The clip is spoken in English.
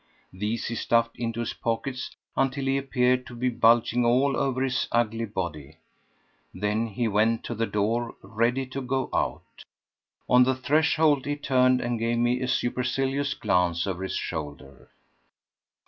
These he stuffed into his pockets until he appeared to be bulging all over his ugly body; then he went to the door ready to go out. On the threshold he turned and gave me a supercilious glance over his shoulder.